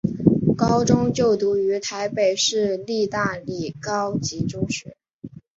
高中就读于台北市立大理高级中学。